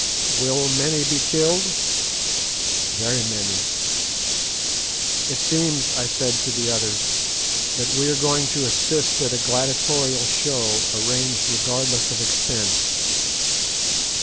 "Will many be killed?" "Very many." "It seems," I said to the others, "that we are going to assist at a gladiatorial show arranged regardless of expense."